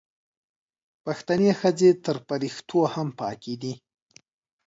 پښتنې ښځې تر فریښتو هم پاکې دي